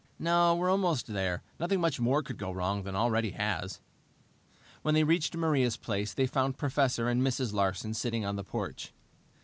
"No, we're almost there. Nothing much more could go wrong than already has." When they reached Maria's place they found Professor and Mrs. Larsen sitting on the porch.